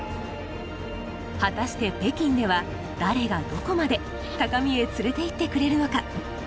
果たして北京では誰がどこまで高みへ連れていってくれるのか？